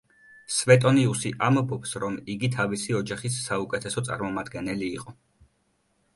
სვეტონიუსი ამბობს, რომ იგი თავისი ოჯახის საუკეთესო წარმომადგენელი იყო.